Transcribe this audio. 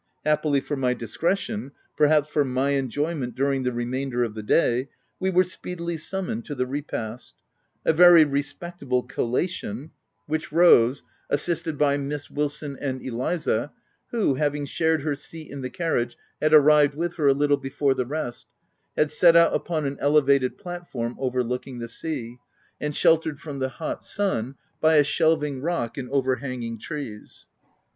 Happily for my discretion, perhaps for my enjoy ment during the remainder of the day, we were speedily summoned to the repast — a very respect able collation, which Rose, assisted by Miss Wil son and Eliza, who, having shared her seat in the carriage, had arrived with her a little before the rest, had set out upon an elevated platform overlooking the sea, and sheltered from the hot sun by a shelving rock and overhanging trees.